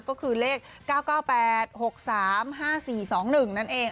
ก็คือเลข๙๙๘๖๓๕๔๒๑นั่นเอง